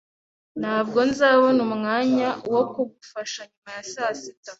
Ntabwo nzabona umwanya wo kugufasha nyuma ya saa sita.